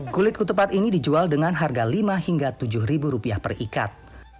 kulit ketupat ini dijual dengan harga lima hingga tujuh ribu rupiah perikat